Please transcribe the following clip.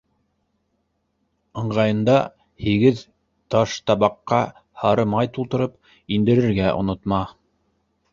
Ыңғайында һигеҙ таштабаҡҡа һары май тултырып индерергә онотма.